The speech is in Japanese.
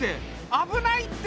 危ないって！